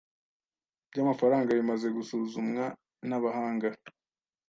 by amafaranga bimaze gusuzumwa n abahanga